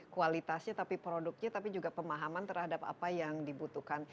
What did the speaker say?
kualitasnya tapi produknya tapi juga pemahaman terhadap apa yang dibutuhkan